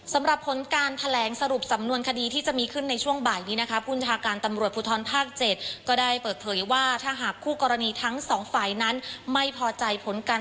สำหรับผลการแถลงสรุปสำนวนคดีที่จะมีขึ้นในช่วงบ่ายนี้นะคะ